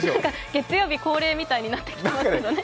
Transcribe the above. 月曜日恒例みたいになってますね。